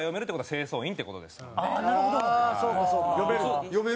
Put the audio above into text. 清掃員だ！